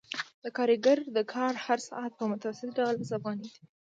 د کارګر د کار هر ساعت په متوسط ډول لس افغانۍ دی